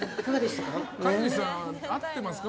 飼い主さん、合ってますか？